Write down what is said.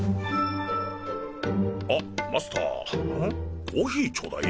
あマスターコーヒーちょうだい。